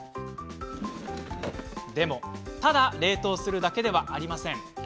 でも、ただ冷凍するだけではありません。